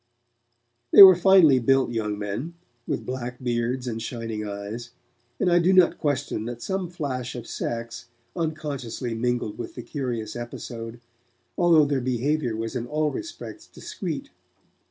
They were finely built young men, with black beards and shining eyes, and I do not question that some flash of sex unconsciously mingled with the curious episode, although their behaviour was in all respects discreet.